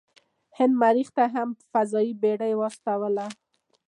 هند مریخ ته هم فضايي بیړۍ واستوله.